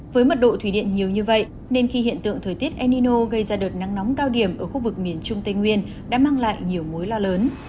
với mật độ thủy điện nhiều như vậy nên khi hiện tượng thời tiết enino gây ra đợt nắng nóng cao điểm ở khu vực miền trung tây nguyên đã mang lại nhiều mối lo lớn